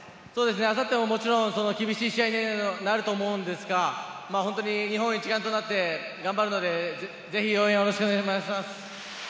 あさってももちろん厳しい試合になると思うんですが、日本一丸となって頑張るので、ぜひ応援よろしくお願いします。